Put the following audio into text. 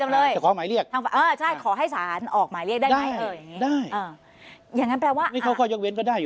แบบมันเป็นระหว่างภาค๗กับของส่วนการด้วย